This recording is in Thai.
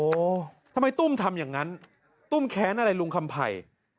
โอ้โหทำไมตุ้มทำอย่างนั้นตุ้มแค้นอะไรลุงคำภัย